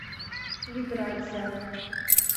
Вибрация